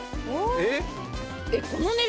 えっ？